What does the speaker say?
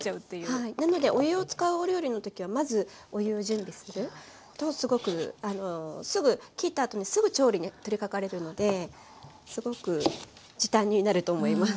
はいなのでお湯を使うお料理のときはまずお湯を準備するとすぐ切ったあとにすぐ調理に取りかかれるのですごく時短になると思います。